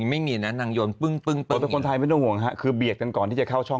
ไม่มีนะนางยนปึ้งเปิดเป็นคนไทยไม่ต้องห่วงฮะคือเบียดกันก่อนที่จะเข้าช่อง